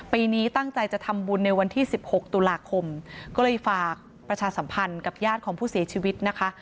ปีนี้ตั้งใจจะทำบุญในวันที่๑๖ตุลาคมก็เลยฝากประชาสัมพันธ์กับญาติของผู้เสียชีวิตนะคะ